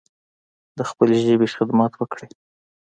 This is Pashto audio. د خپلې ژبې خدمت وکړﺉ